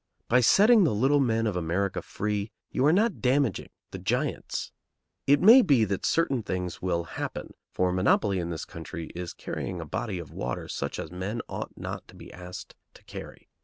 By setting the little men of America free, you are not damaging the giants. It may be that certain things will happen, for monopoly in this country is carrying a body of water such as men ought not to be asked to carry.